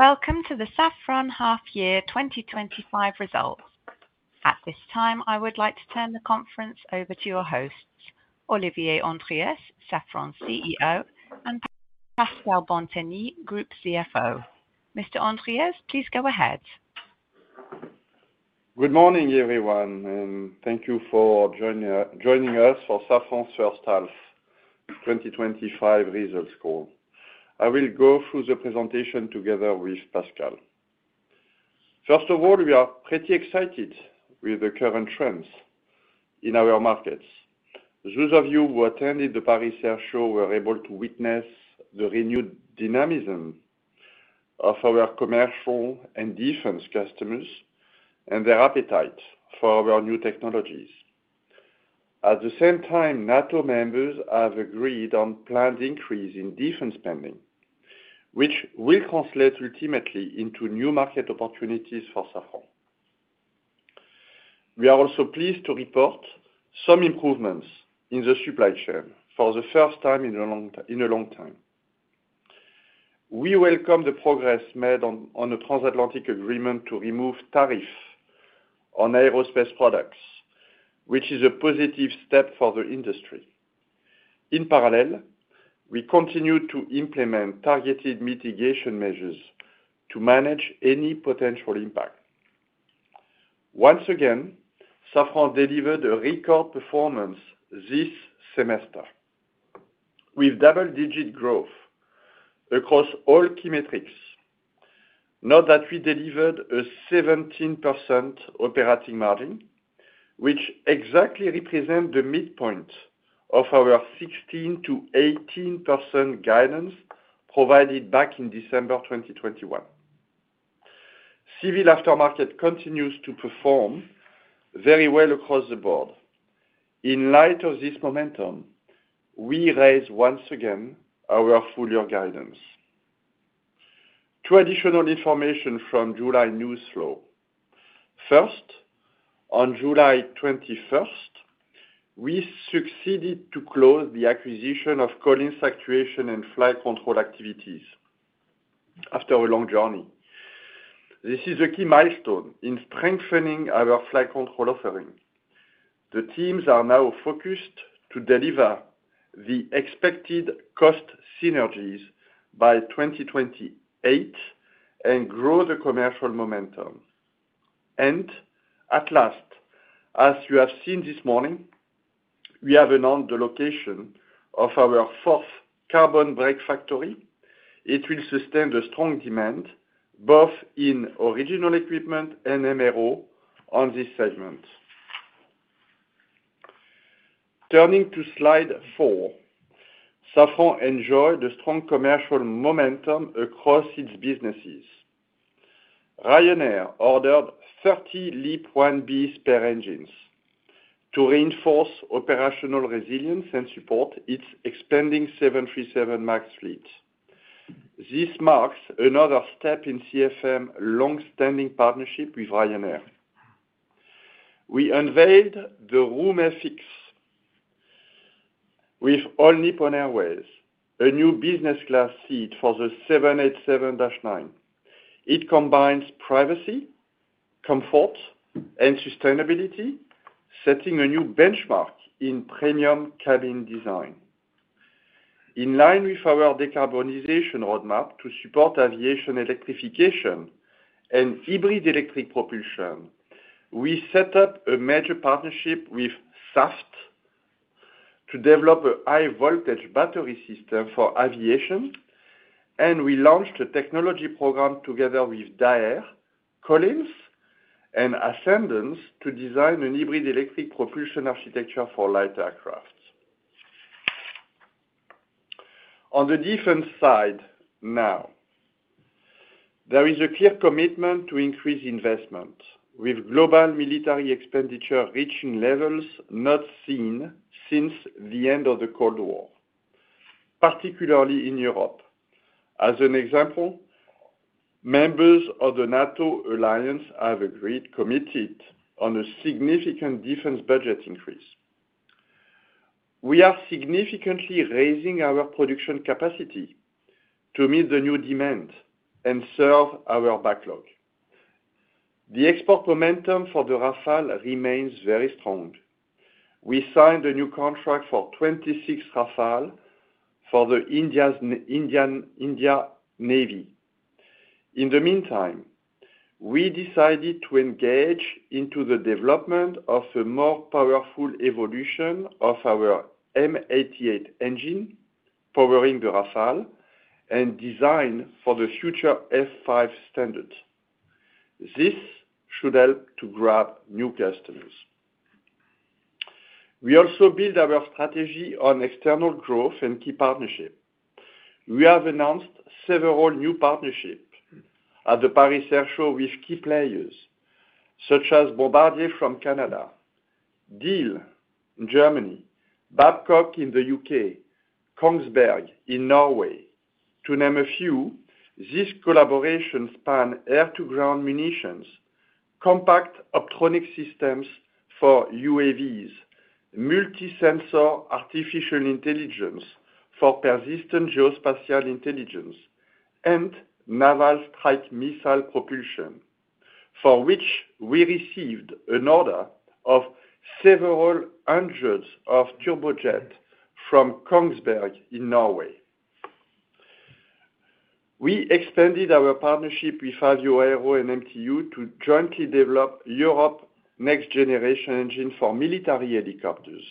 Welcome to the Safran half-year 2025 results. At this time, I would like to turn the conference over to your hosts, Olivier Andriès, Safran's CEO, and Pascal Bantegnie, Group CFO. Mr. Andriès, please go ahead. Good morning, everyone, and thank you for joining us for Safran's first half 2025 results call. I will go through the presentation together with Pascal. First of all, we are pretty excited with the current trends in our markets. Those of you who attended the Paris Air Show were able to witness the renewed dynamism of our commercial and defense customers and their appetite for our new technologies. At the same time, NATO members have agreed on planned increases in defense spending, which will translate ultimately into new market opportunities for Safran. We are also pleased to report some improvements in the supply chain for the first time in a long time. We welcome the progress made on the transatlantic agreement to remove tariffs on aerospace products, which is a positive step for the industry. In parallel, we continue to implement targeted mitigation measures to manage any potential impact. Once again, Safran delivered a record performance this semester with double-digit growth across all key metrics. Note that we delivered a 17% operating margin, which exactly represents the midpoint of our 16%-18% guidance provided back in December 2021. Civil aftermarket continues to perform very well across the board. In light of this momentum, we raise once again our full-year guidance. Two additional pieces of information from July news flow. First, on July 21st, we succeeded to close the acquisition of cooling, saturation, and flight control activities after a long journey. This is a key milestone in strengthening our flight control offering. The teams are now focused to deliver the expected cost synergies by 2028 and grow the commercial momentum. At last, as you have seen this morning, we have announced the location of our fourth carbon brake factory. It will sustain the strong demand both in original equipment and MRO on this segment. Turning to slide four, Safran enjoyed the strong commercial momentum across its businesses. Ryanair ordered 30 LEAP-1B spare engines to reinforce operational resilience and support its expanding 737 MAX fleet. This marks another step in CFM International's long-standing partnership with Ryanair. We unveiled THE Room FX with All Nippon Airways, a new business-class seat for the 787-9. It combines privacy, comfort, and sustainability, setting a new benchmark in premium cabin design. In line with our decarbonization roadmap to support aviation electrification and hybrid-electric propulsion, we set up a major partnership with Saft. To develop a high-voltage battery system for aviation. We launched a technology program together with Daher, Collins, and Ascendance to design a hybrid-electric propulsion architecture for light aircraft. On the defense side now, there is a clear commitment to increase investment, with global military expenditure reaching levels not seen since the end of the Cold War, particularly in Europe. As an example, members of the NATO alliance have agreed to commit to a significant defense budget increase. We are significantly raising our production capacity to meet the new demand and serve our backlog. The export momentum for the Rafale remains very strong. We signed a new contract for 26 Rafale for the Indian Navy. In the meantime, we decided to engage in the development of a more powerful evolution of our M88 engine powering the Rafale and designed for the future F5 standards. This should help to grab new customers. We also build our strategy on external growth and key partnerships. We have announced several new partnerships at the Paris Air Show with key players such as Bombardier from Canada, Diehl in Germany, Babcock in the U.K., Kongsberg in Norway, to name a few. These collaborations span air-to-ground munitions, compact optronic systems for UAVs, multi-sensor artificial intelligence for persistent geospatial intelligence, and naval strike missile propulsion, for which we received an order of several hundreds of turbojets from Kongsberg in Norway. We extended our partnership with Avio Aero and MTU to jointly develop Europe's next-generation engine for military helicopters.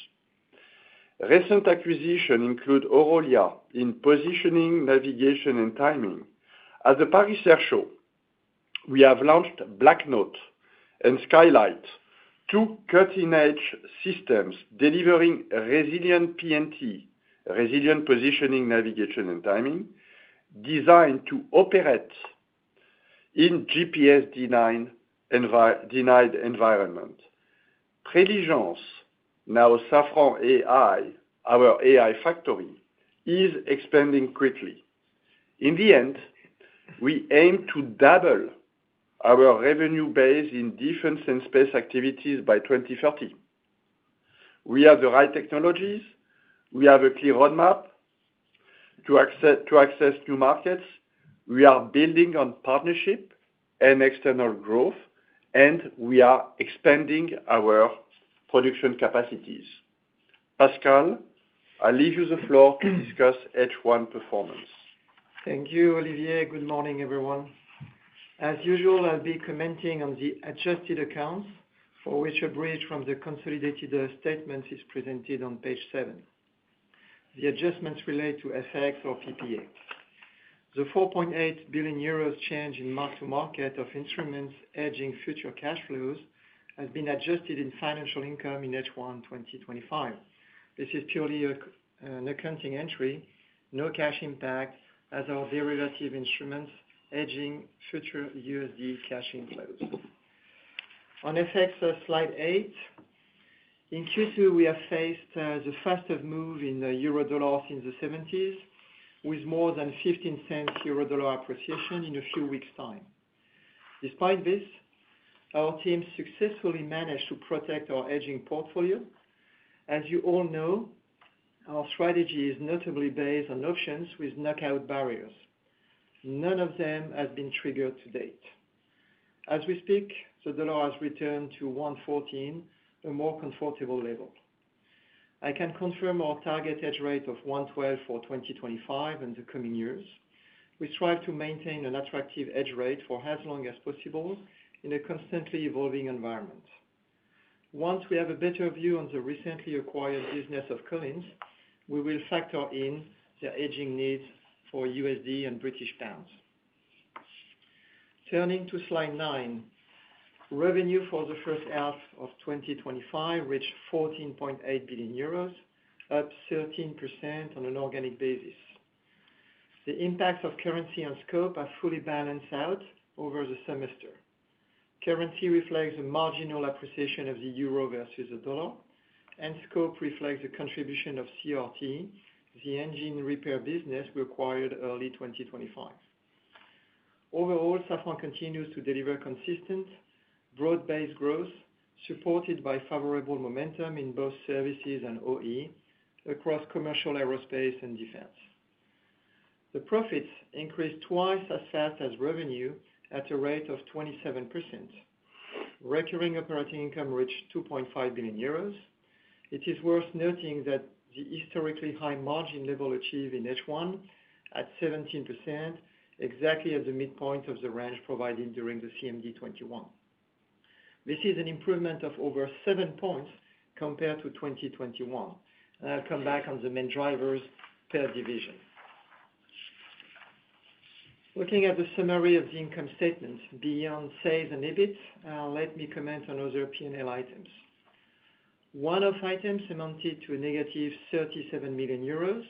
Recent acquisitions include Orolia in positioning, navigation, and timing. At the Paris Air Show, we have launched BlackNaute and Skylight, two cutting-edge systems delivering Resilient PNT, Resilient Positioning, Navigation, and Timing, designed to operate in GPS-denied environments. Preligens, now Safran AI, our AI factory, is expanding quickly. In the end, we aim to double our revenue base in defense and space activities by 2030. We have the right technologies. We have a clear roadmap to access new markets. We are building on partnership and external growth, and we are expanding our production capacities. Pascal, I leave you the floor to discuss H1 performance. Thank you, Olivier. Good morning, everyone. As usual, I'll be commenting on the adjusted accounts for which a bridge from the consolidated statements is presented on page seven. The adjustments relate to FX or PPA. The 4.8 billion euros change in mark-to-market of instruments hedging future cash flows has been adjusted in financial income in H1 2025. This is purely an accounting entry, no cash impact, as are derivative instruments hedging future USD cash inflows. On FX slide eight, in Q2, we have faced the fastest move in the euro/dollar since the '70s, with more than $0.15 euro/dollar appreciation in a few weeks' time. Despite this, our team successfully managed to protect our hedging portfolio. As you all know, our strategy is notably based on options with knockout barriers. None of them has been triggered to date. As we speak, the dollar has returned to 1.14, a more comfortable level. I can confirm our target hedge rate of 1.12 for 2025 and the coming years. We strive to maintain an attractive hedge rate for as long as possible in a constantly evolving environment. Once we have a better view on the recently acquired business of Collins, we will factor in their hedging needs for USD and British pounds. Turning to slide nine, revenue for the first half of 2025 reached 14.8 billion euros, up 13% on an organic basis. The impacts of currency and scope have fully balanced out over the semester. Currency reflects a marginal appreciation of the euro versus the dollar, and scope reflects the contribution of CRT, the engine repair business acquired early 2025. Overall, Safran continues to deliver consistent broad-based growth supported by favorable momentum in both services and OE across commercial aerospace and defense. The profits increased twice as fast as revenue at a rate of 27%. Recurring operating income reached 2.5 billion euros. It is worth noting that the historically high margin level achieved in H1 at 17%, exactly at the mid-point of the range provided during the CMD21. This is an improvement of over seven points compared to 2021. I'll come back on the main drivers per division. Looking at the summary of the income statements beyond sales and EBIT, let me comment on other P&L items. One-off items amounted to a negative 37 million euros,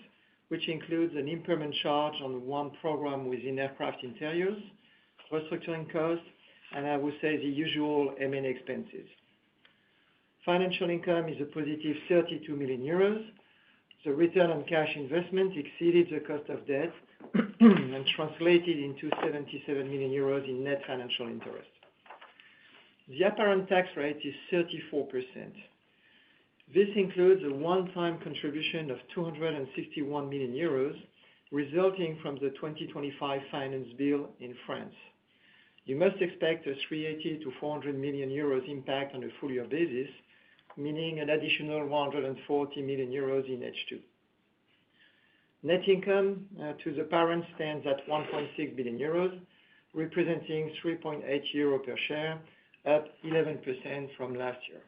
which includes an impairment charge on one program within aircraft interiors, restructuring costs, and I will say the usual M&A expenses. Financial income is a positive 32 million euros. The return on cash investment exceeded the cost of debt, and translated into 77 million euros in net financial interest. The apparent tax rate is 34%. This includes a one-time contribution of 261 million euros, resulting from the 2025 finance bill in France. You must expect a 380-400 million euros impact on a full-year basis, meaning an additional 140 million euros in H2. Net income to the parent stands at 1.6 billion euros, representing 3.8 euro per share, up 11% from last year.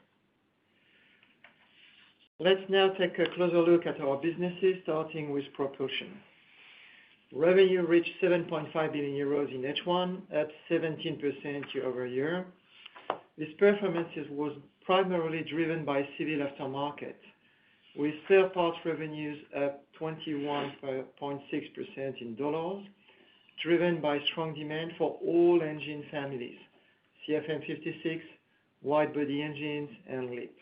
Let's now take a closer look at our businesses, starting with propulsion. Revenue reached 7.5 billion euros in H1, up 17% year-over-year. This performance was primarily driven by civil aftermarket, with third-party revenues up 21.6% in dollars, driven by strong demand for all engine families: CFM56, widebody engines, and LEAP.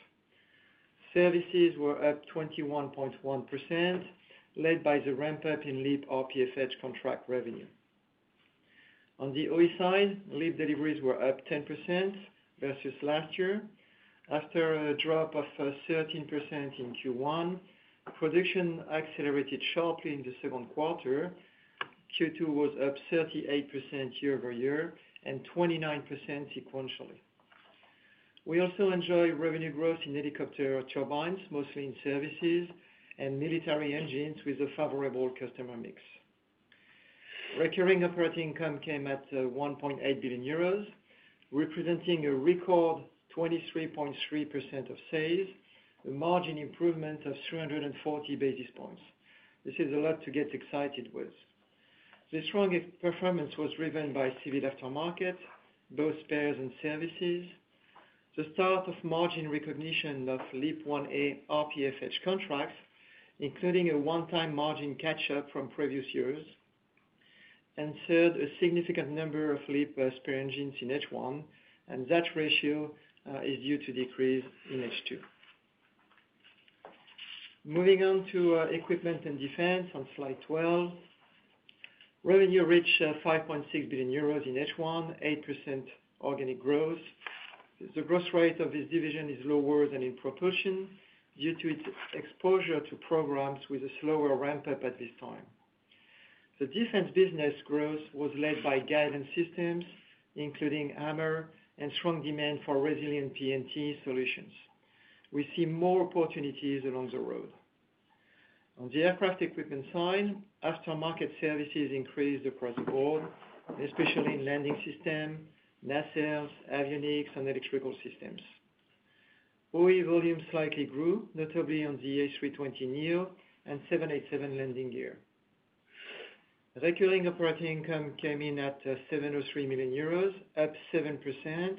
Services were up 21.1%, led by the ramp-up in LEAP RPFH contract revenue. On the OE side, LEAP deliveries were up 10% versus last year. After a drop of 13% in Q1, production accelerated sharply in the second quarter. Q2 was up 38% year-over-year and 29% sequentially. We also enjoy revenue growth in helicopter turbines, mostly in services and military engines, with a favorable customer mix. Recurring operating income came at 1.8 billion euros, representing a record 23.3% of sales, a margin improvement of 340 basis points. This is a lot to get excited with. The strong performance was driven by civil aftermarket, both spares and services, the start of margin recognition of LEAP-1A RPFH contracts, including a one-time margin catch-up from previous years, and third, a significant number of LEAP spare engines in H1, and that ratio is due to decrease in H2. Moving on to equipment and defense on slide 12, revenue reached 5.6 billion euros in H1, 8% organic growth. The growth rate of this division is lower than in propulsion due to its exposure to programs with a slower ramp-up at this time. The defense business growth was led by guidance systems, including AMR, and strong demand for Resilient PNT solutions. We see more opportunities along the road. On the aircraft equipment side, aftermarket services increased across the board, especially in landing systems, nacelles, avionics, and electrical systems. OE volumes slightly grew, notably on the A320neo and 787 landing gear. Recurring operating income came in at 703 million euros, up 7%,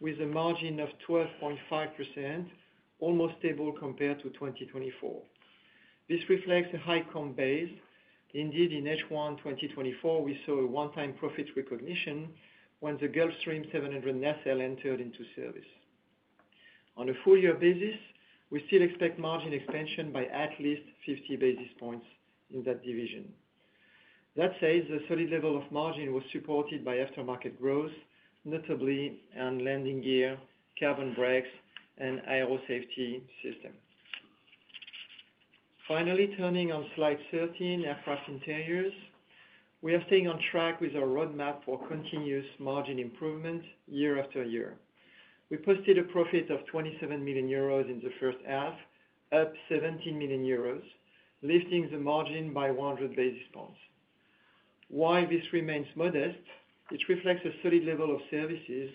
with a margin of 12.5%, almost stable compared to 2024. This reflects a high comp base. Indeed, in H1 2024, we saw a one-time profit recognition when the Gulfstream 700 nacelle entered into service. On a full-year basis, we still expect margin expansion by at least 50 basis points in that division. That said, a solid level of margin was supported by aftermarket growth, notably on landing gear, carbon brakes, and aero-safety systems. Finally, turning on slide 13, aircraft interiors, we are staying on track with our roadmap for continuous margin improvement year after year. We posted a profit of 27 million euros in the first half, up 17 million euros, lifting the margin by 100 basis points. While this remains modest, it reflects a solid level of services,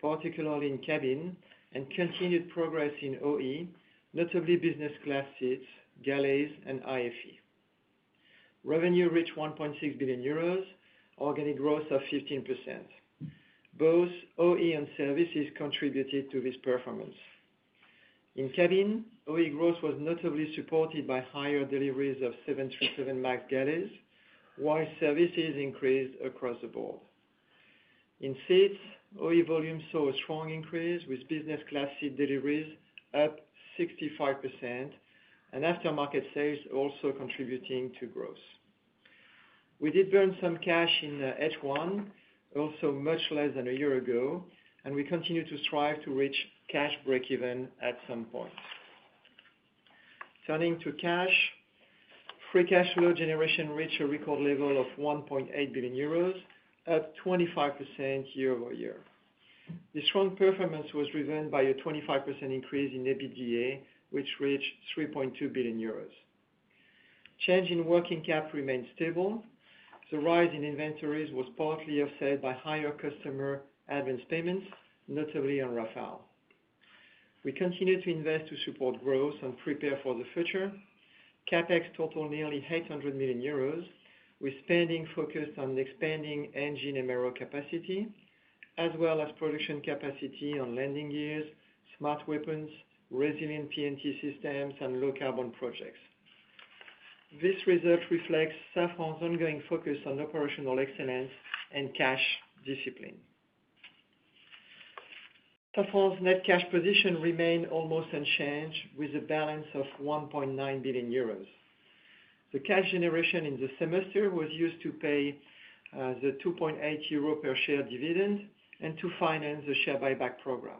particularly in cabin, and continued progress in OE, notably business class seats, galleys, and IFE. Revenue reached 1.6 billion euros, organic growth of 15%. Both OE and services contributed to this performance. In cabin, OE growth was notably supported by higher deliveries of 737 MAX galleys, while services increased across the board. In seats, OE volumes saw a strong increase, with business class seat deliveries up 65%. Aftermarket sales also contributed to growth. We did burn some cash in H1, although much less than a year ago, and we continue to strive to reach cash break-even at some point. Turning to cash. Free cash flow generation reached a record level of 1.8 billion euros, up 25% year-over-year. The strong performance was driven by a 25% increase in EBITDA, which reached 3.2 billion euros. Change in working cap remained stable. The rise in inventories was partly offset by higher customer advance payments, notably on Rafale. We continue to invest to support growth and prepare for the future. CapEx totaled nearly 800 million euros, with spending focused on expanding engine and aero capacity, as well as production capacity on landing gear, smart weapons, Resilient PNT systems, and low-carbon projects. This result reflects Safran's ongoing focus on operational excellence and cash discipline. Safran's net cash position remained almost unchanged, with a balance of 1.9 billion euros. The cash generation in the semester was used to pay the 2.8 euro per share dividend and to finance the share buyback program.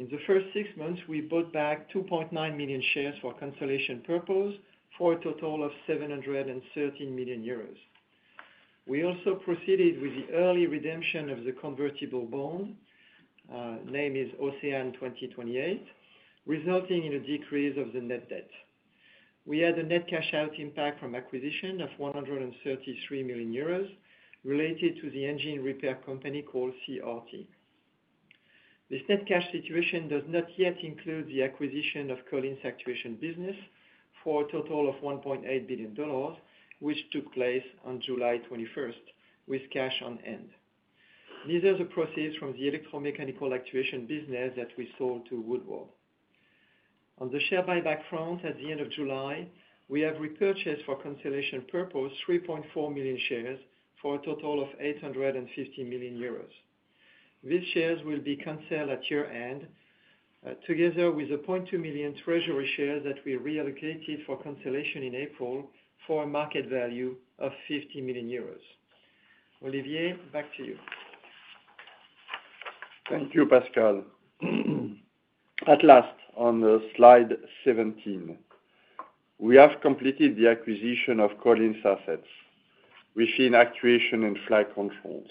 In the first six months, we bought back 2.9 million shares for consolidation purpose, for a total of 713 million euros. We also proceeded with the early redemption of the convertible bond. Name is OCEANEs 2028, resulting in a decrease of the net debt. We had a net cash-out impact from acquisition of 133 million euros related to the engine repair company called CRT. This net cash situation does not yet include the acquisition of Collins' actuation business for a total of $1.8 billion, which took place on July 21st, with cash on hand. These are the proceeds from the electromechanical actuation business that we sold to Woodward. On the share buyback front, at the end of July, we have repurchased for consolidation purpose 3.4 million shares for a total of 850 million euros. These shares will be canceled at year-end, together with the 0.2 million treasury shares that we reallocated for consolidation in April for a market value of 50 million euros. Olivier, back to you. Thank you, Pascal. At last, on slide 17. We have completed the acquisition of Collins' assets, which is actuation and flight controls.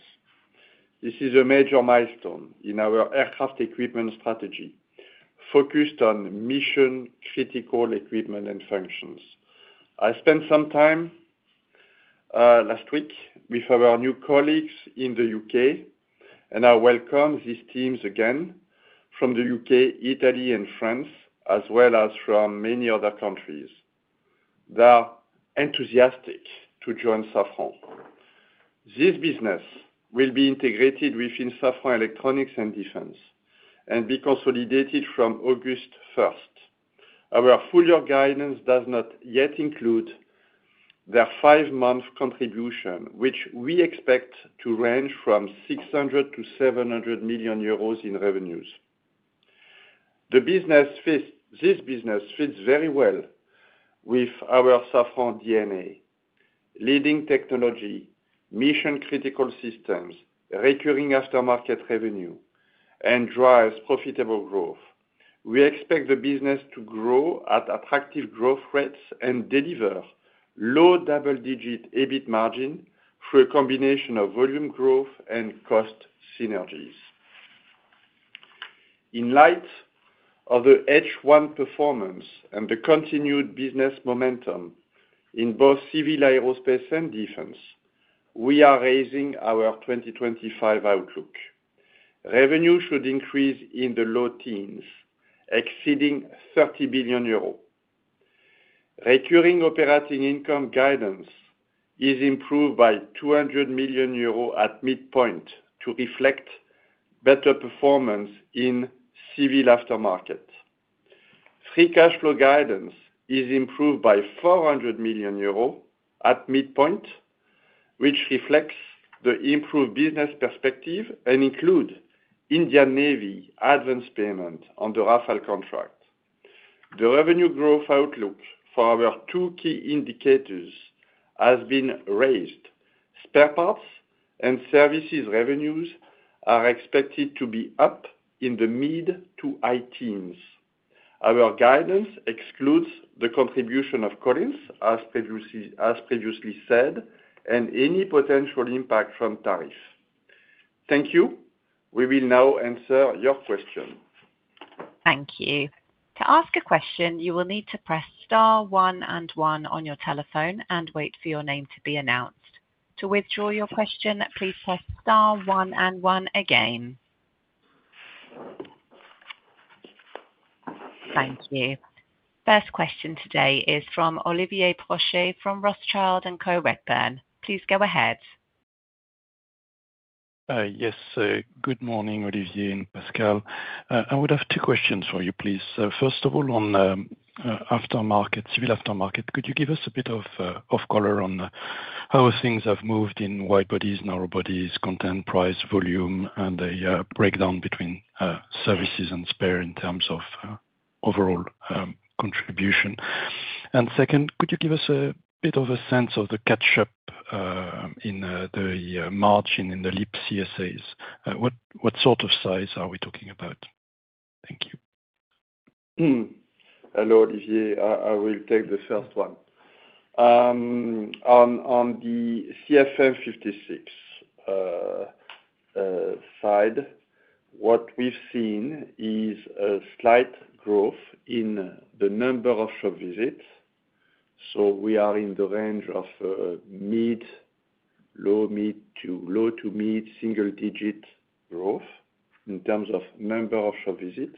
This is a major milestone in our aircraft equipment strategy, focused on mission-critical equipment and functions. I spent some time last week with our new colleagues in the U.K., and I welcome these teams again from the U.K., Italy, and France, as well as from many other countries. They are enthusiastic to join Safran. This business will be integrated within Safran Electronics and Defense and be consolidated from August 1st. Our full-year guidance does not yet include their five-month contribution, which we expect to range from 600 million-700 million euros in revenues. This business fits very well with our Safran DNA, leading technology, mission-critical systems, recurring aftermarket revenue, and drives profitable growth. We expect the business to grow at attractive growth rates and deliver low double-digit EBIT margin through a combination of volume growth and cost synergies. In light of the H1 performance and the continued business momentum in both civil aerospace and defense, we are raising our 2025 outlook. Revenue should increase in the low teens, exceeding 30 billion euros. Recurring operating income guidance is improved by 200 million euros at mid-point to reflect better performance in civil aftermarket. Free cash flow guidance is improved by 400 million euros at mid-point, which reflects the improved business perspective and includes Indian Navy advance payment on the Rafale contract. The revenue growth outlook for our two key indicators has been raised. Spare parts and services revenues are expected to be up in the mid to high teens. Our guidance excludes the contribution of Collins, as previously said, and any potential impact from tariffs. Thank you. We will now answer your question. Thank you. To ask a question, you will need to press star one and one on your telephone and wait for your name to be announced. To withdraw your question, please press star one and one again. Thank you. First question today is from Olivier Brochet from Rothschild and Co Redburn. Please go ahead. Yes. Good morning, Olivier and Pascal. I would have two questions for you, please. First of all, on aftermarket, civil aftermarket, could you give us a bit of color on how things have moved in widebodies, narrow bodies, content, price, volume, and the breakdown between services and spare in terms of overall contribution? Second, could you give us a bit of a sense of the catch-up in the margin in the LEAP CSAs? What sort of size are we talking about? Thank you. Hello, Olivier. I will take the first one. On the CFM56 side, what we've seen is a slight growth in the number of shop visits. We are in the range of low-mid to low-to-mid single-digit growth in terms of number of shop visits.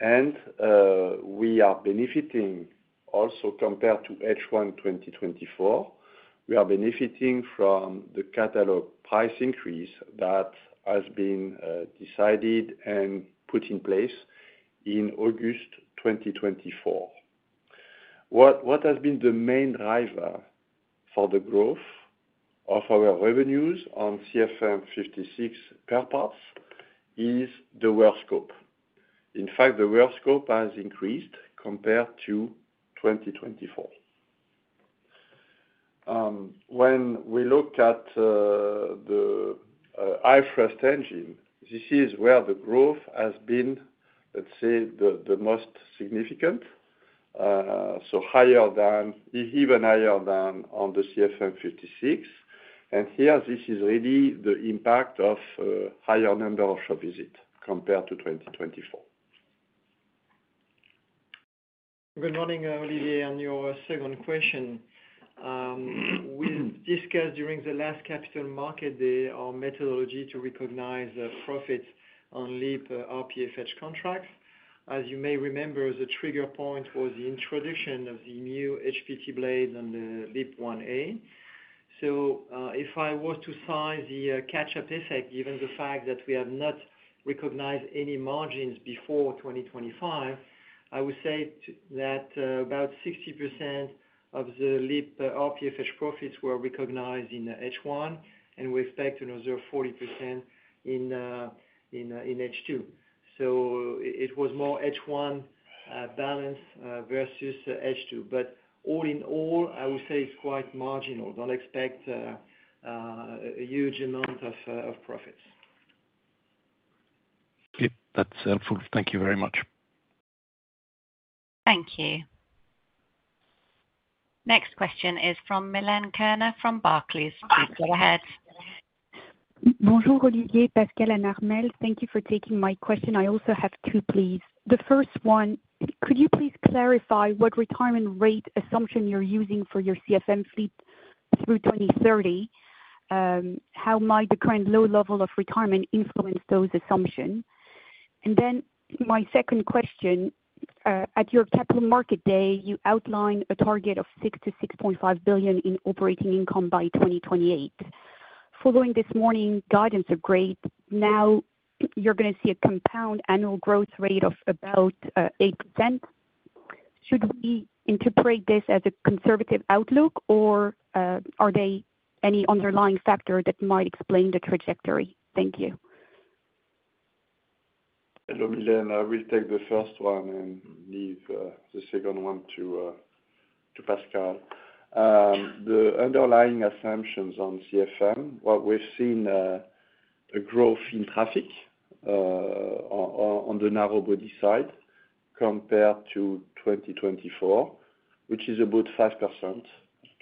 We are benefiting also compared to H1 2024. We are benefiting from the catalog price increase that has been decided and put in place in August 2024. What has been the main driver for the growth of our revenues on CFM56 spare parts is the wear scope. In fact, the wear scope has increased compared to 2024. When we look at the IFRS engine, this is where the growth has been, let's say, the most significant, even higher than on the CFM56. Here, this is really the impact of a higher number of shop visits compared to 2024. Good morning, Olivier, on your second question. We've discussed during the last Capital Market Day our methodology to recognize profits on LEAP RPFH contracts. As you may remember, the trigger point was the introduction of the new HPT blades on the LEAP-1A. If I was to size the catch-up effect, given the fact that we have not recognized any margins before 2025, I would say that about 60% of the LEAP RPFH profits were recognized in H1, and we expect another 40% in H2. It was more H1 balance versus H2. All in all, I would say it's quite marginal. Don't expect a huge amount of profits. Okay, that's helpful. Thank you very much. Thank you. Next question is from Milène Kerner from Barclays. Please go ahead. Bonjour, Olivier, Pascal, and Armelle. Thank you for taking my question. I also have two, please. The first one, could you please clarify what retirement rate assumption you're using for your CFM fleet through 2030? How might the current low level of retirement influence those assumptions? My second question, at your Capital Market Day, you outlined a target of 6 billion-6.5 billion in operating income by 2028. Following this morning's guidance of growth, now you're going to see a compound annual growth rate of about 8%. Should we interpret this as a conservative outlook, or are there any underlying factors that might explain the trajectory? Thank you. Hello, Milène. I will take the first one and leave the second one to Pascal. The underlying assumptions on CFM, what we've seen, a growth in traffic on the narrowbody side compared to 2024, which is about 5%,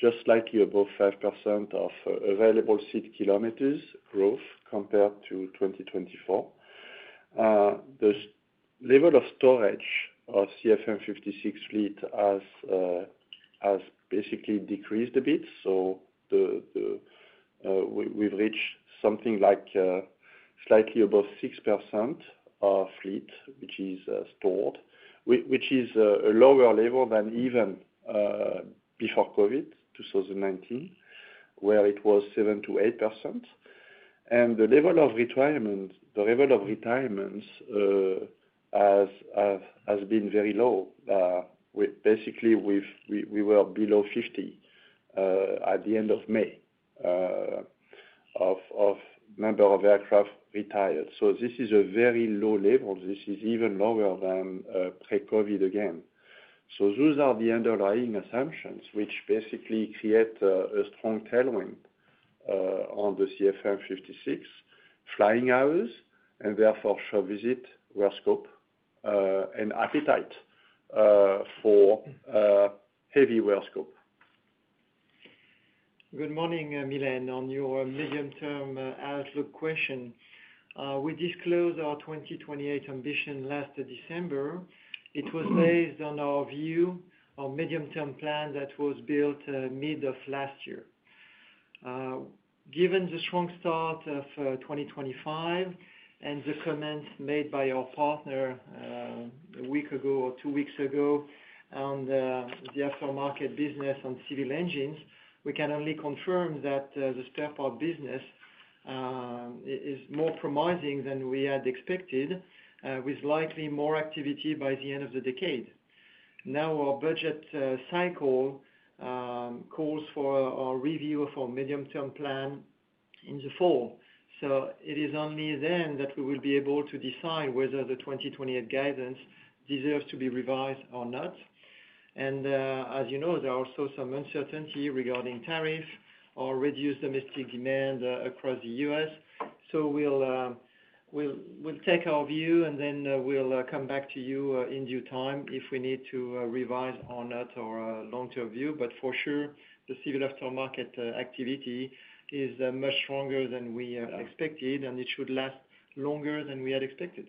just slightly above 5% of available seat kilometers growth compared to 2024. The level of storage of CFM56 fleet has basically decreased a bit. We've reached something like slightly above 6% of fleet, which is stored, which is a lower level than even before COVID, 2019, where it was 7%-8%. The level of retirement has been very low. Basically, we were below 50 at the end of May of number of aircraft retired. This is a very low level. This is even lower than pre-COVID again. Those are the underlying assumptions, which basically create a strong tailwind on the CFM56 flying hours and therefore shop visit wear scope and appetite for heavy wear scope. Good morning, Milène, on your medium-term outlook question. We disclosed our 2028 ambition last December. It was based on our view of medium-term plan that was built mid of last year. Given the strong start of 2025 and the comments made by our partner a week ago or two weeks ago on the aftermarket business on civil engines, we can only confirm that the spare part business is more promising than we had expected, with likely more activity by the end of the decade. Now, our budget cycle calls for a review of our medium-term plan in the fall. It is only then that we will be able to decide whether the 2028 guidance deserves to be revised or not. As you know, there are also some uncertainties regarding tariffs or reduced domestic demand across the U.S. We will take our view, and then we'll come back to you in due time if we need to revise or not our long-term view. For sure, the civil aftermarket activity is much stronger than we expected, and it should last longer than we had expected.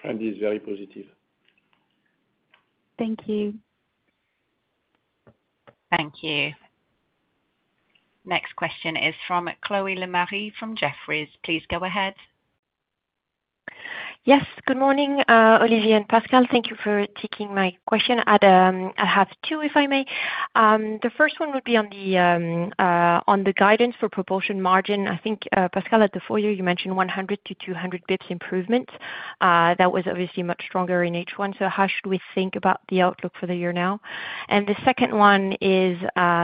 Trend is very positive. Thank you. Thank you. Next question is from Chloe Lemaire from Jefferies. Please go ahead. Yes. Good morning, Olivier and Pascal. Thank you for taking my question. I have two, if I may. The first one would be on the guidance for propulsion margin. I think, Pascal, at the full year, you mentioned 100 bps-200 bps improvement. That was obviously much stronger in H1. How should we think about the outlook for the year now? The second one is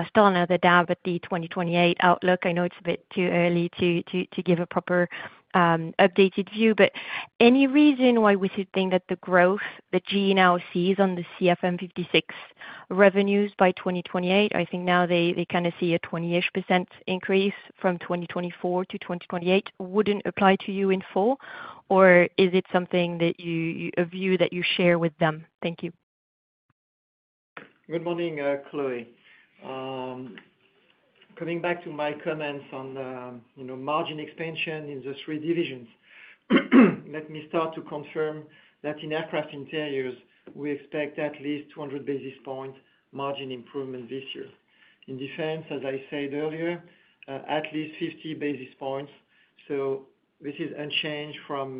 still another dab at the 2028 outlook. I know it's a bit too early to give a proper updated view, but any reason why we should think that the growth that GE now sees on the CFM56 revenues by 2028, I think now they kind of see a 20%-ish increase from 2024 to 2028, wouldn't apply to you in full, or is it something that you, a view that you share with them? Thank you. Good morning, Chloe. Coming back to my comments on margin expansion in the three divisions. Let me start to confirm that in aircraft interiors, we expect at least 200 basis points margin improvement this year. In defense, as I said earlier, at least 50 basis points. This is unchanged from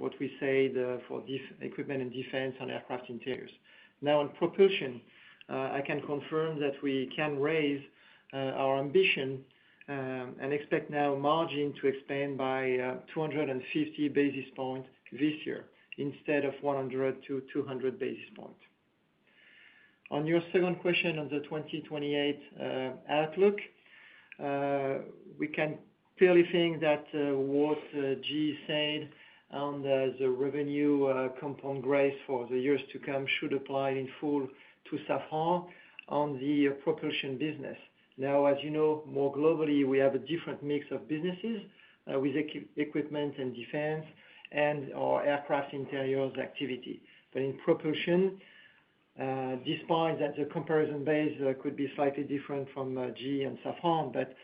what we said for equipment and defense and aircraft interiors. Now, on propulsion, I can confirm that we can raise our ambition and expect now margin to expand by 250 basis points this year instead of 100 to 200 basis points. On your second question on the 2028 outlook, we can clearly think that what GE said on the revenue compound rates for the years to come should apply in full to Safran on the propulsion business. As you know, more globally, we have a different mix of businesses with equipment and defense and our aircraft interiors activity. In propulsion, despite that, the comparison base could be slightly different from GE and Safran, but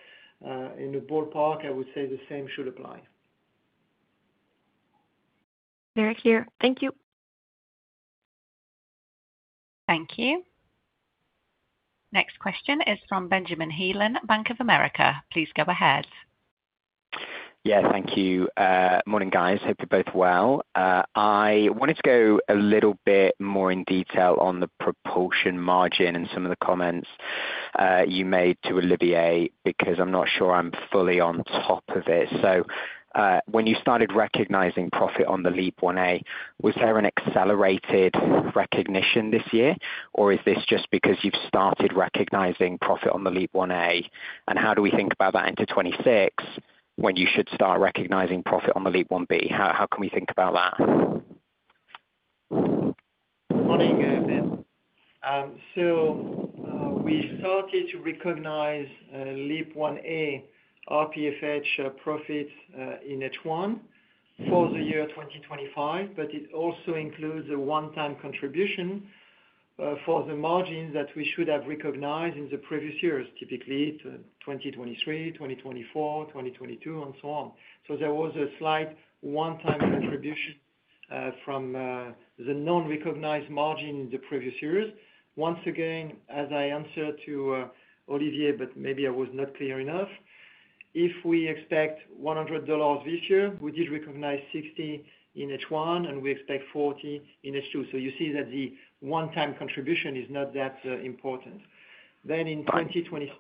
in the ballpark, I would say the same should apply. Very clear. Thank you. Thank you. Next question is from Benjamin Heelan, Bank of America. Please go ahead. Yeah, thank you. Morning, guys. Hope you're both well. I wanted to go a little bit more in detail on the propulsion margin and some of the comments you made to Olivier because I'm not sure I'm fully on top of it. When you started recognizing profit on the LEAP-1A, was there an accelerated recognition this year, or is this just because you've started recognizing profit on the LEAP-1A? How do we think about that into 2026 when you should start recognizing profit on the LEAP-1B? How can we think about that? Morning, Ben. We started to recognize LEAP-1A RPFH profits in H1 for the year 2025, but it also includes a one-time contribution for the margins that we should have recognized in the previous years, typically 2023, 2024, 2022, and so on. There was a slight one-time contribution from the non-recognized margin in the previous years. Once again, as I answered to Olivier, but maybe I was not clear enough, if we expect $100 this year, we did recognize $60 in H1, and we expect $40 in H2. You see that the one-time contribution is not that important. In 2026,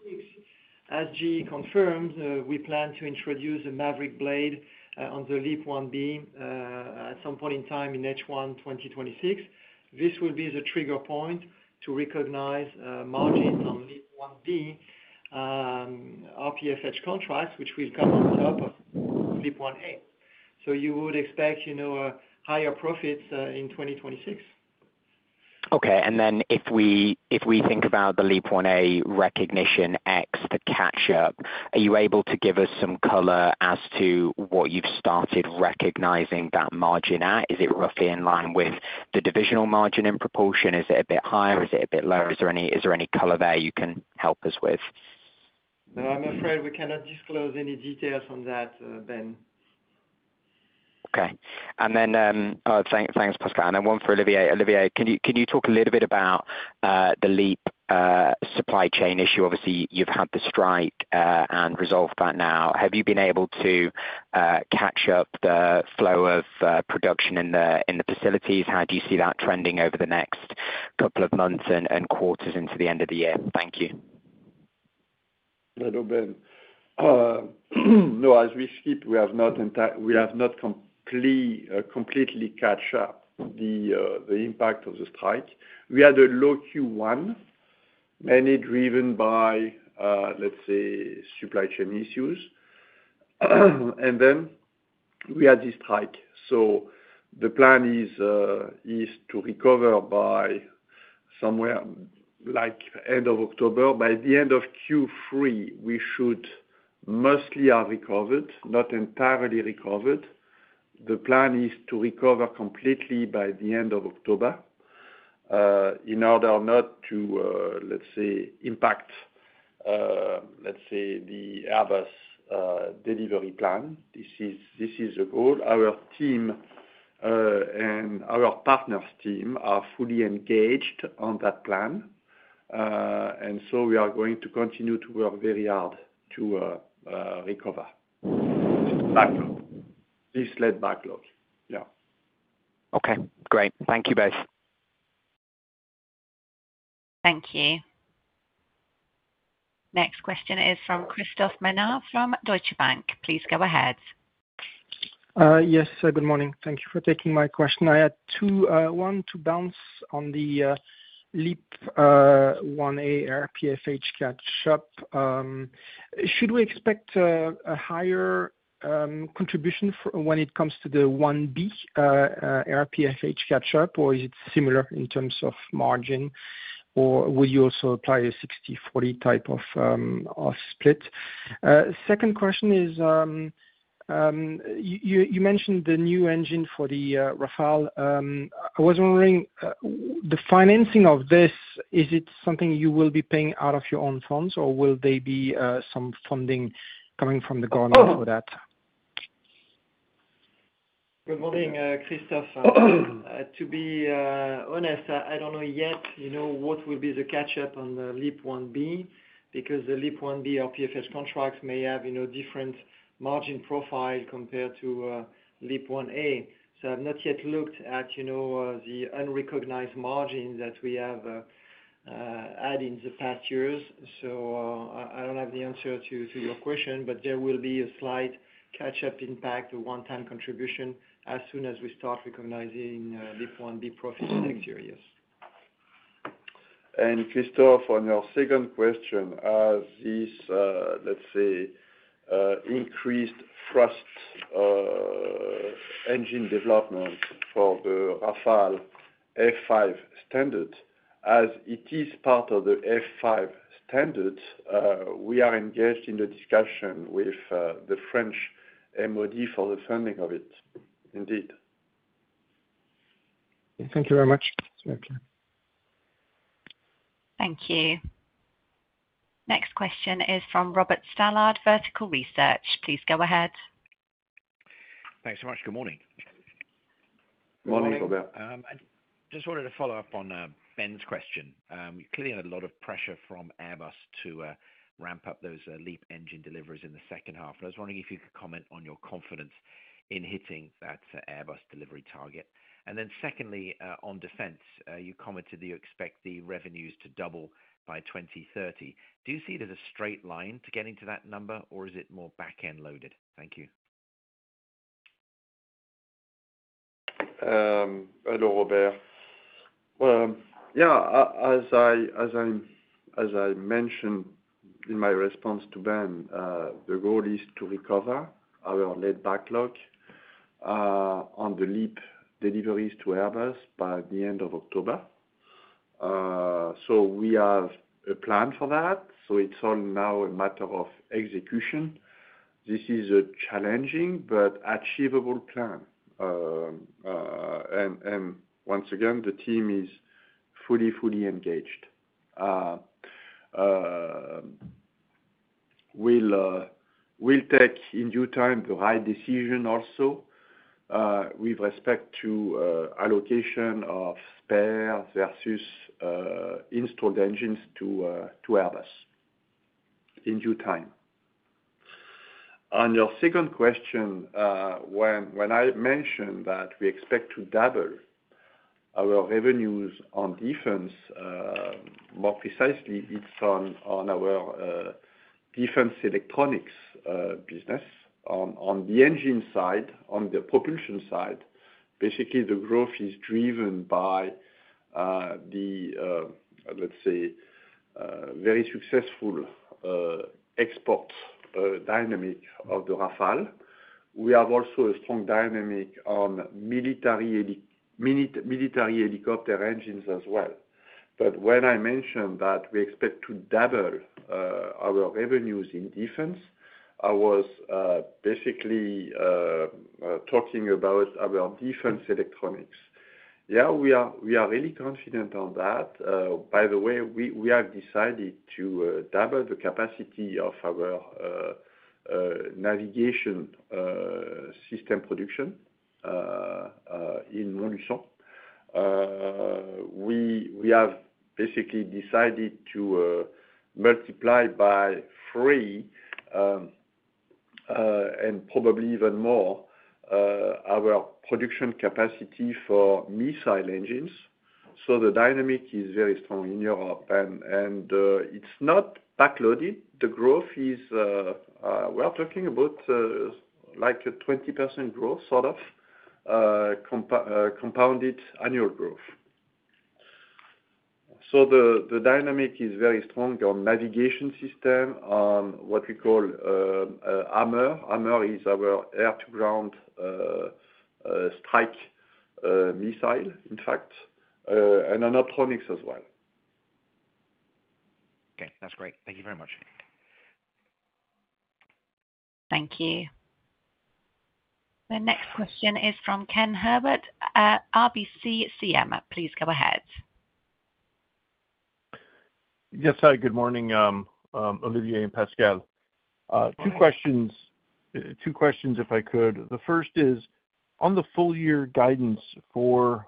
as GE confirmed, we plan to introduce a maverick blade on the LEAP-1B at some point in time in H1 2026. This will be the trigger point to recognize margins on LEAP-1B RPFH contracts, which will come on top of LEAP-1A. You would expect higher profits in 2026. Okay. If we think about the LEAP-1A recognition X to catch up, are you able to give us some color as to what you've started recognizing that margin at? Is it roughly in line with the divisional margin in propulsion? Is it a bit higher? Is it a bit lower? Is there any color there you can help us with? No, I'm afraid we cannot disclose any details on that, Ben. Okay. Thanks, Pascal. One for Olivier. Olivier, can you talk a little bit about the LEAP supply chain issue? Obviously, you've had the strike and resolved that now. Have you been able to catch up the flow of production in the facilities? How do you see that trending over the next couple of months and quarters into the end of the year? Thank you. Hello, Ben. No, as we speak, we have not completely caught up with the impact of the strike. We had a low Q1, mainly driven by, let's say, supply chain issues, and then we had this strike. The plan is to recover by somewhere like end of October. By the end of Q3, we should mostly have recovered, not entirely recovered. The plan is to recover completely by the end of October in order not to, let's say, impact the Airbus delivery plan. This is the goal. Our team and our partner's team are fully engaged on that plan, and we are going to continue to work very hard to recover this backlog, this late backlog. Yeah. Okay. Great. Thank you both. Thank you. Next question is from Christophe Menard from Deutsche Bank. Please go ahead. Yes, good morning. Thank you for taking my question. I had one to bounce on the LEAP-1A RPFH catch-up. Should we expect a higher contribution when it comes to the 1B RPFH catch-up, or is it similar in terms of margin, or will you also apply a 60/40 type of split? Second question is, you mentioned the new engine for the Rafale. I was wondering, the financing of this, is it something you will be paying out of your own funds, or will there be some funding coming from the government for that? Good morning, Christophe. To be honest, I don't know yet what will be the catch-up on the LEAP-1B because the LEAP-1B RPFH contracts may have different margin profiles compared to LEAP-1A. I've not yet looked at the unrecognized margin that we have had in the past years. I don't have the answer to your question, but there will be a slight catch-up impact of one-time contribution as soon as we start recognizing LEAP-1B profits next year, yes. Christophe, on your second question, has this, let's say, increased thrust engine development for the Rafale F5 standard? As it is part of the F5 standard, we are engaged in the discussion with the French MoD for the funding of it, indeed. Thank you very much. Thank you. Next question is from Robert Stallard, Vertical Research. Please go ahead. Thanks so much. Good morning. Good morning, Robert. Just wanted to follow up on Ben's question. We clearly had a lot of pressure from Airbus to ramp up those LEAP engine deliveries in the second half. I was wondering if you could comment on your confidence in hitting that Airbus delivery target. Secondly, on defense, you commented that you expect the revenues to double by 2030. Do you see there's a straight line to getting to that number, or is it more back-end loaded? Thank you. Hello, Robert. As I mentioned in my response to Ben, the goal is to recover our late backlog on the LEAP deliveries to Airbus by the end of October. We have a plan for that, so it's all now a matter of execution. This is a challenging but achievable plan, and once again, the team is fully, fully engaged. We'll take in due time the right decision also with respect to allocation of spare versus installed engines to Airbus in due time. On your second question, when I mentioned that we expect to double our revenues on defense, more precisely, it's on our defense electronics business. On the engine side, on the propulsion side, basically, the growth is driven by the, let's say, very successful export dynamic of the Rafale. We have also a strong dynamic on military helicopter engines as well. When I mentioned that we expect to double our revenues in defense, I was basically talking about our defense electronics. Yeah, we are really confident on that. By the way, we have decided to double the capacity of our navigation system production in Montluçon. We have basically decided to multiply by three, and probably even more, our production capacity for missile engines. The dynamic is very strong in Europe, and it's not backloaded. The growth is, we are talking about like a 20% growth, sort of compounded annual growth. The dynamic is very strong on navigation system, on what we call AMR. AMR is our air-to-ground strike missile, in fact, and on optronics as well. Okay, that's great. Thank you very much. Thank you. The next question is from Ken Herbert, RBC CM. Please go ahead. Yes, hi. Good morning, Olivier and Pascal. Two questions, if I could. The first is, on the full-year guidance for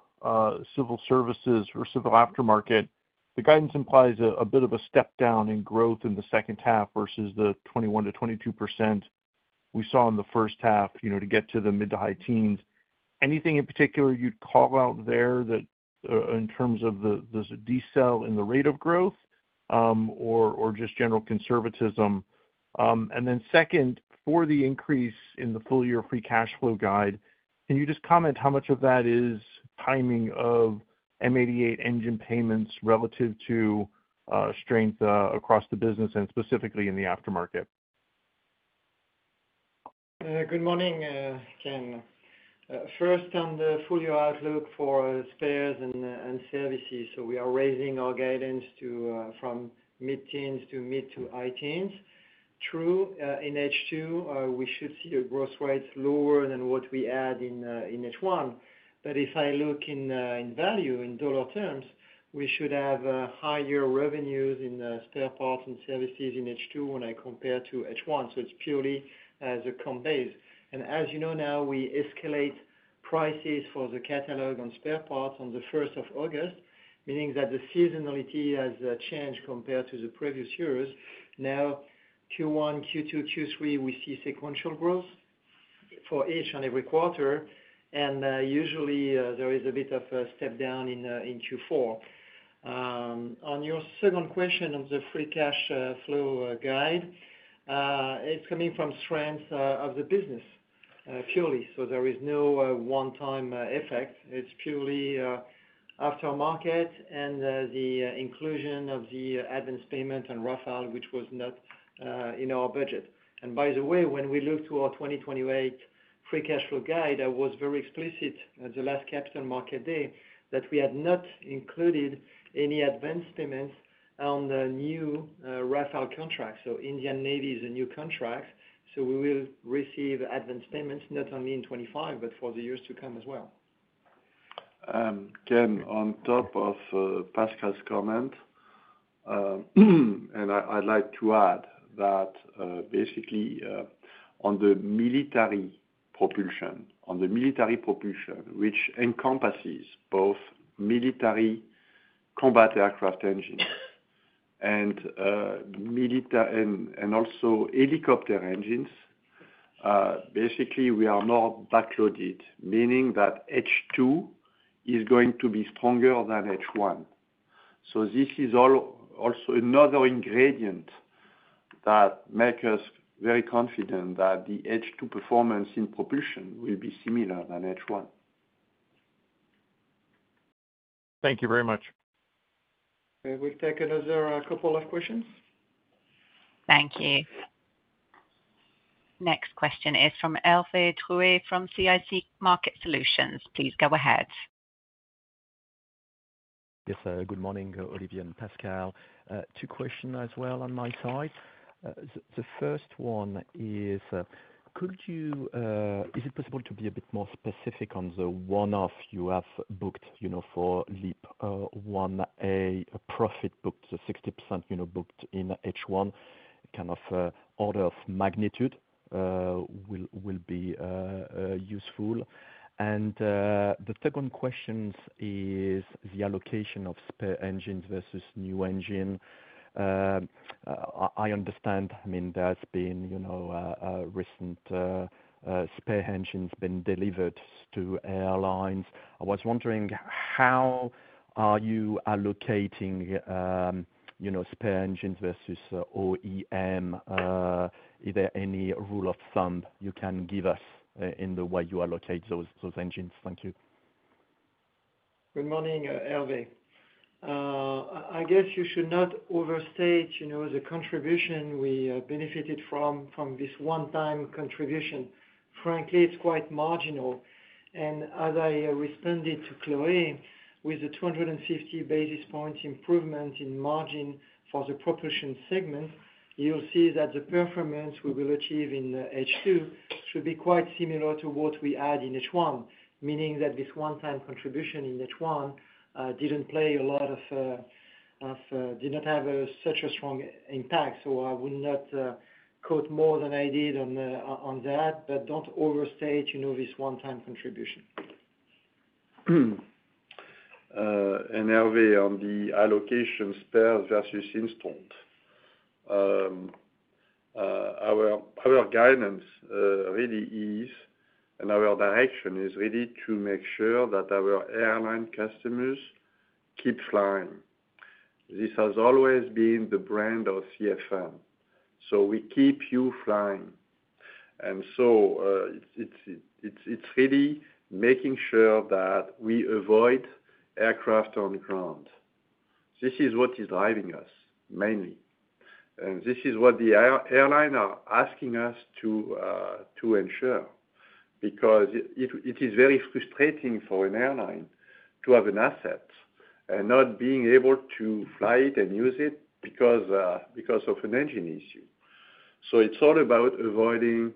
civil services or civil aftermarket, the guidance implies a bit of a step down in growth in the second half versus the 21%-22% we saw in the first half to get to the mid to high teens. Anything in particular you'd call out there in terms of the decel in the rate of growth, or just general conservatism? Then second, for the increase in the full-year free cash flow guide, can you just comment how much of that is timing of M88 engine payments relative to strength across the business and specifically in the aftermarket? Good morning, Ken. First, on the full-year outlook for spares and services. We are raising our guidance from mid teens to mid to high teens. True, in H2, we should see a growth rate lower than what we had in H1. If I look in value, in dollar terms, we should have higher revenues in spare parts and services in H2 when I compare to H1. It is purely as a comp base. As you know now, we escalate prices for the catalog on spare parts on the 1st of August, meaning that the seasonality has changed compared to previous years. Now, Q1, Q2, Q3, we see sequential growth for each and every quarter. Usually, there is a bit of a step down in Q4. On your second question of the free cash flow guide, it's coming from strength of the business, purely. There is no one-time effect. It's purely aftermarket and the inclusion of the advance payment on Rafale, which was not in our budget. By the way, when we looked to our 2028 free cash flow guide, I was very explicit at the last Capital Market Day that we had not included any advance payments on the new Rafale contract. Indian Navy is a new contract. We will receive advance payments not only in 2025, but for the years to come as well. Ken, on top of Pascal's comment, I'd like to add that basically, on the military propulsion, which encompasses both military combat aircraft engines and also helicopter engines, basically, we are more backloaded, meaning that H2 is going to be stronger than H1. This is also another ingredient that makes us very confident that the H2 performance in propulsion will be similar to H1. Thank you very much. We'll take another couple of questions. Thank you. Next question is from Hervé Drouet from CIC Market Solutions. Please go ahead. Yes, good morning, Olivier and Pascal. Two questions as well on my side. The first one is, is it possible to be a bit more specific on the one-off you have booked for LEAP-1A profit booked, the 60% booked in H1? Kind of order of magnitude would be useful. The second question is the allocation of spare engines versus new engine. I understand, I mean, there's been recent spare engines being delivered to airlines. I was wondering how you are allocating spare engines versus OEM. Is there any rule of thumb you can give us in the way you allocate those engines? Thank you. Good morning, Hervé. I guess you should not overstate the contribution we benefited from this one-time contribution. Frankly, it's quite marginal. As I responded to Chloé, with the 250 basis points improvement in margin for the propulsion segment, you'll see that the performance we will achieve in H2 should be quite similar to what we had in H1, meaning that this one-time contribution in H1 didn't play a lot of. Did not have such a strong impact. I would not quote more than I did on that, but don't overstate this one-time contribution. Hervé, on the allocation spares versus installed. Our guidance really is, and our direction is really to make sure that our airline customers keep flying. This has always been the brand of CFM. We keep you flying. It's really making sure that we avoid aircraft on ground. This is what is driving us, mainly. This is what the airlines are asking us to ensure because it is very frustrating for an airline to have an asset and not be able to fly it and use it because of an engine issue. It's all about avoiding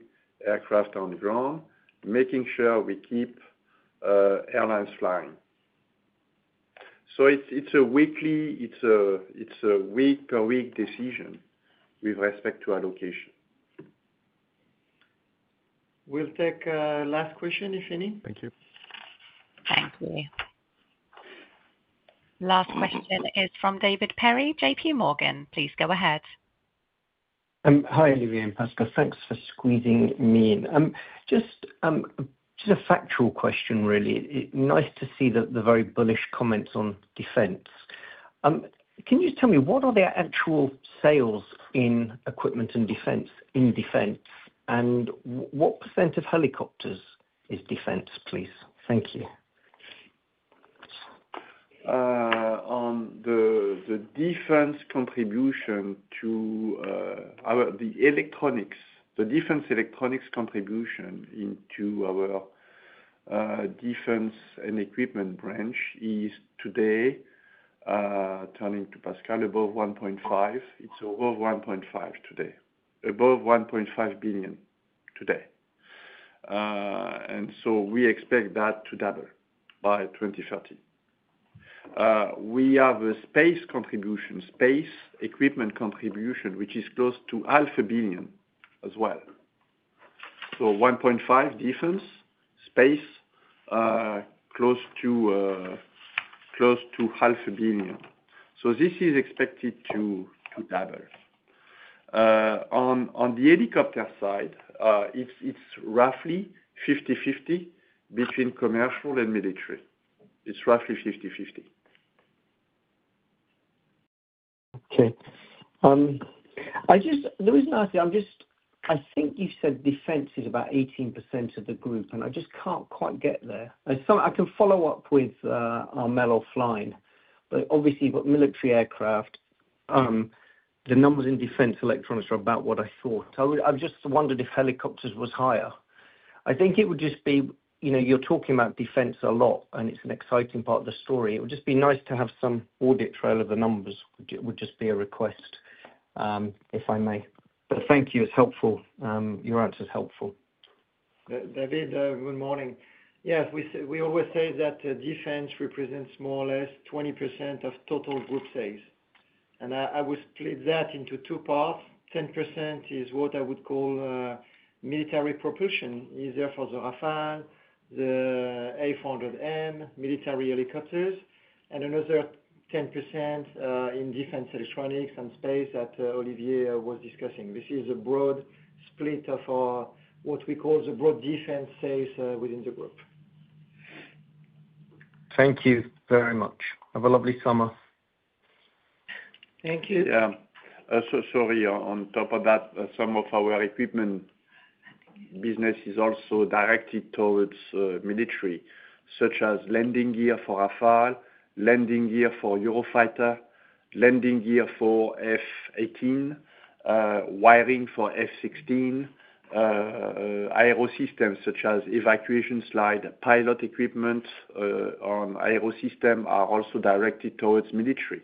aircraft on the ground, making sure we keep airlines flying. It's a week-per-week decision with respect to allocation. We'll take a last question, if any. Thank you. Thank you. Last question is from David Perry, J.P. Morgan. Please go ahead. Hi, Olivier and Pascal. Thanks for squeezing me in. Just a factual question, really. Nice to see the very bullish comments on defense. Can you just tell me what are the actual sales in equipment and defense in defense? And what % of helicopters is defense, please? Thank you. On the defense contribution to the electronics, the defense electronics contribution into our Defense and Equipment branch is today, turning to Pascal, above 1.5 billion. It's above 1.5 billion today. Above 1.5 billion today, and we expect that to double by 2030. We have a space contribution, space equipment contribution, which is close to 0.5 billion as well. So 1.5 billion defense, space close to 0.5 billion. This is expected to double. On the helicopter side, it's roughly 50/50 between commercial and military. It's roughly 50/50. Okay. The reason I ask you, I think you said defense is about 18% of the group, and I just can't quite get there. I can follow up with Armelle. Obviously, with military aircraft, the numbers in defense electronics are about what I thought. I just wondered if helicopters was higher. I think it would just be you're talking about defense a lot, and it's an exciting part of the story. It would just be nice to have some audit trail of the numbers. It would just be a request, if I may. Thank you. It's helpful. Your answer is helpful. David, good morning. Yes, we always say that defense represents more or less 20% of total group sales. I will split that into two parts. 10% is what I would call military propulsion, either for the Rafale, the A400M, military helicopters, and another 10% in defense electronics and space that Olivier was discussing. This is a broad split of what we call the broad defense sales within the group. Thank you very much. Have a lovely summer. Thank you. Sorry, on top of that, some of our equipment business is also directed towards military, such as landing gear for Rafale, landing gear for Eurofighter, landing gear for F-18, wiring for F-16, aerosystems such as evacuation slide, pilot equipment. On aerosystem are also directed towards military.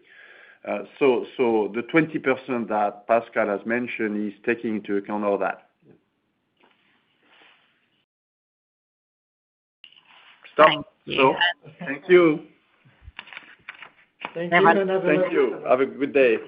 The 20% that Pascal has mentioned is taking into account all that. Thank you. Thank you. Thank you. Have a good day.